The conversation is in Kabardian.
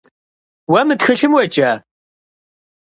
Vue mı txılhım vueca?